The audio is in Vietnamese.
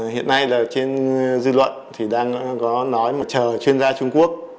hiện nay là trên dư luận thì đang có nói mà chờ chuyên gia trung quốc